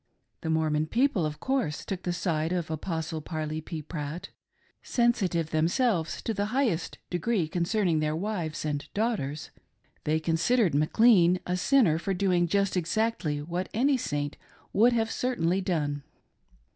The Mormon people, of course, took the side of the Apostle Parley P. Pratt. Sensitive them selves to the . highest degree concerning their wives and daughters, they considered McLean a sinner for doing just exactly what any Saint would have certainly done.